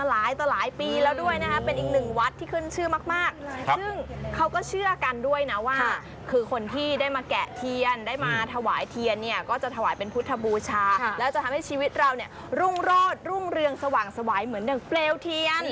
หลายต่อหลายปีแล้วด้วยนะคะเป็นอีกหนึ่งวัดที่ขึ้นชื่อมากซึ่งเขาก็เชื่อกันด้วยนะว่าคือคนที่ได้มาแกะเทียนได้มาถวายเทียนเนี่ยก็จะถวายเป็นพุทธบูชาแล้วจะทำให้ชีวิตเราเนี่ยรุ่งโรดรุ่งเรืองสว่างสวายเหมือนดังเปลวเทียน